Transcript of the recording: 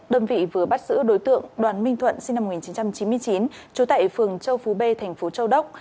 đơn vị vừa bắt giữ đối tượng đoàn minh thuận sinh năm một nghìn chín trăm chín mươi chín trú tại phường châu phú b thành phố châu đốc